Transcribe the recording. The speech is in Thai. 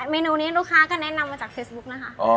เมนูนี้ลูกค้าก็แนะนำมาจากเฟซบุ๊กนะคะ